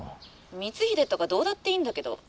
「光秀とかどうだっていいんだけど？